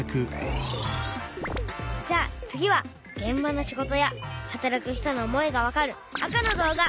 じゃあ次はげん場の仕事や働く人の思いがわかる赤の動画。